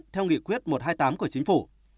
theo nghị quyết một trăm hai mươi tám của chính phủ